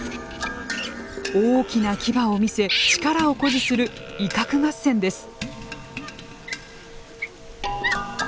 大きな牙を見せ力を誇示する威嚇合戦です。